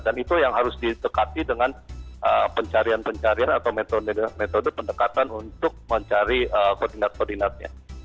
itu yang harus ditekati dengan pencarian pencarian atau metode pendekatan untuk mencari koordinat koordinatnya